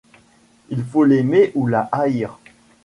Il faut l’aimer ou la haïr.